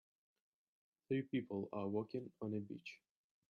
Three people are walking on a beach.